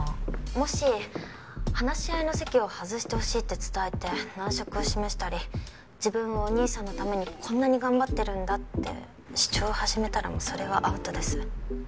もし話し合いの席を外してほしいって伝えて難色を示したり自分はお兄さんのためにこんなに頑張ってるんだって主張を始めたらもうそれはアウトです。